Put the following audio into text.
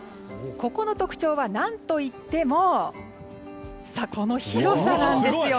ここの特徴は何といってもこの広さなんですよ。